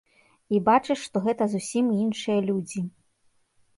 І бачыш, што гэта зусім іншыя людзі.